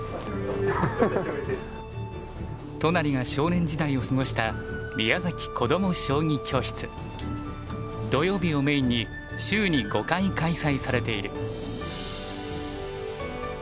都成が少年時代を過ごした土曜日をメインに週に５回開催されている。